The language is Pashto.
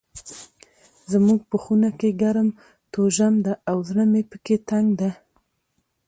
زموږ په خونه کې ګرم توژم ده او زړه مې پکي تنګ ده.